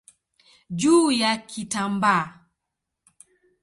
juu ya kitambaa.